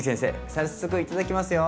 早速頂きますよ！